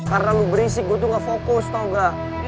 karena lo berisik gue tuh gak fokus tau gak